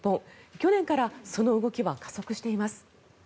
去年からその動きは加速しています。